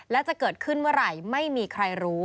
และจะเกิดขึ้นเมื่อไหร่ไม่มีใครรู้